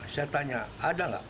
saya tanya ada nggak